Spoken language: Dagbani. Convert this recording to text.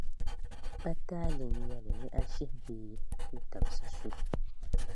pa taali n nyɛ li ni a shihi bee n tabisi so.